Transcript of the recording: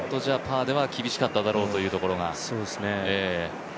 パーでは厳しかったであろうというところが。